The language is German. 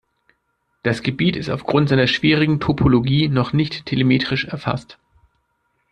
Das Gebiet ist aufgrund seiner schwierigen Topologie noch nicht telemetrisch erfasst.